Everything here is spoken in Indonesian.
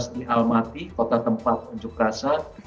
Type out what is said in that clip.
enam belas di almaty kota tempat menjuk rasa